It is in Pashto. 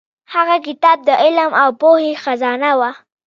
هغه کتاب د علم او پوهې خزانه وه.